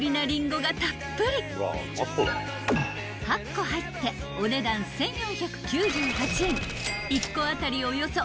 ［８個入ってお値段１，４９８円］